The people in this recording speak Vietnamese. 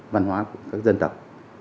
văn hóa của các dân tộc